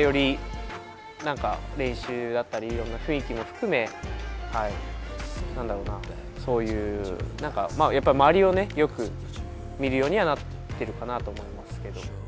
よりなんか練習だったりいろんな雰囲気も含め、なんだろうな、そういう、なんかやっぱり周りをよく見るようにはなってるかなとは思いますけど。